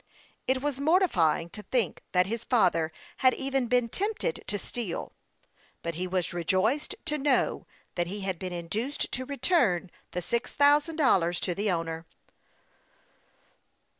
It was mortifying to think that his father had even been tempted to steal ; but he was rejoiced to know that he had been induced to return the six thousand dollars to the owner.